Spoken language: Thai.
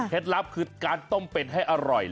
ลับคือการต้มเป็ดให้อร่อย